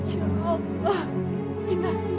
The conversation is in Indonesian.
ya allah inah ingat